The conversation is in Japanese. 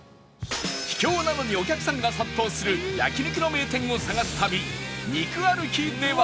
秘境なのにお客さんが殺到する焼肉の名店を探す旅肉歩きでは